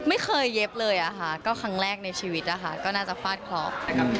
ไม่เคยเย็บเลยอ่ะค่ะก็ครั้งแรกในชีวิตอ่ะค่ะก็น่าจะปลาดคลอบ